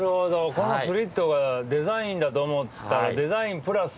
このスリットがデザインだと思ったらデザインプラス